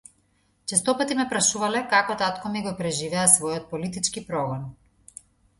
Честопати ме прашувале како татко ми го преживеа својот политички прогон?